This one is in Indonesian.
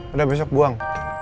udah besok buang